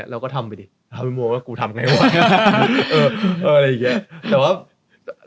แล้วก็ทำไปดิทำมีโมงก็กูทำไงวะอะไรอย่างนี้